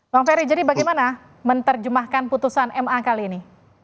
bang ferry jadi bagaimana menerjemahkan putusan ma kali ini